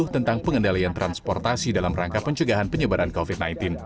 tentang pengendalian transportasi dalam rangka pencegahan penyebaran covid sembilan belas